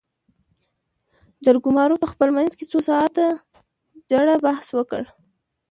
جرګمارو په خپل منځ کې څو ساعاته جړ بحث وکړ.